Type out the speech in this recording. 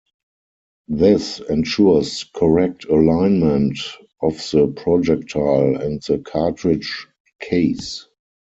This ensures correct alignment of the projectile and the cartridge case.